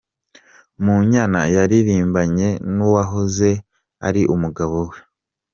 Munyana yaririmbanye n’uwahoze ari umugabo we